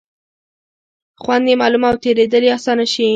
خوند یې معلوم او تېرېدل یې آسانه شي.